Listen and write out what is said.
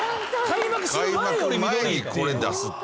開幕前にこれ出すって。